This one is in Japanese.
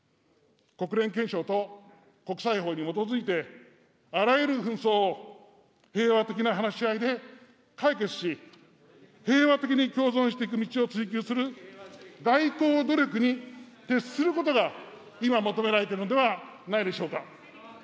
国連憲章と国際法に基づいて、あらゆる紛争を平和的な話し合いで解決し、平和的に共存していく道を追求する、外交努力に徹することが今求められているのではないでしょうか。